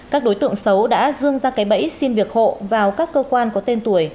các đối tượng xấu đã dưng ra cái bẫy xin việc hộ vào các cơ quan có tên tuổi